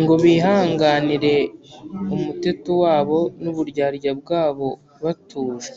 ngo bihanganire umuteto wabo n’uburyarya bwabo batuje.